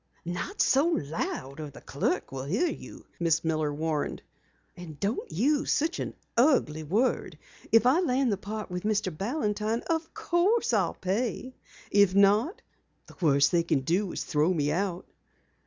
"Not so loud or the clerk will hear you," Miss Miller warned. "And don't use such an ugly word. If I land the part with Mr. Balantine, of course I'll pay. If not the worst they can do is to throw me out."